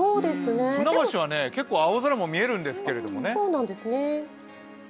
船橋は結構青空も見えるんですけどね。